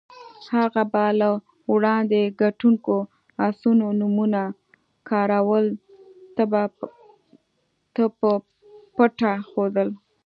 هغه به له وړاندې ګټونکو اسونو نومونه کراول ته په پټه ښودل.